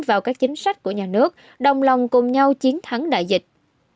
vào các chính sách của nhà nước đồng lòng cùng nhau chiến thắng đại dịch